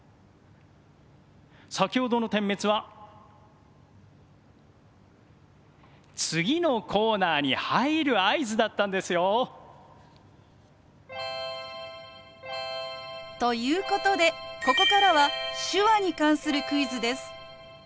先ほどの点滅は次のコーナーに入る合図だったんですよ。ということでここからは手話に関するクイズです。